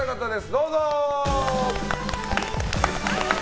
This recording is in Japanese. どうぞ！